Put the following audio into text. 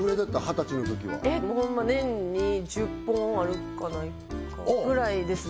二十歳のときはほんま年に１０本あるかないかぐらいですね